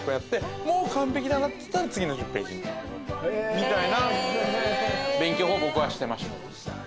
みたいな勉強法を僕はしてました。